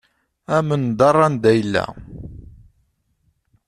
Amendeṛ anda yella.